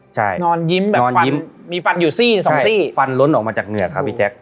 ใช่นอนยิ้มแบบฟันมีฟันอยู่ซี่สองซี่ฟันล้นออกมาจากเหนือครับพี่แจ๊ค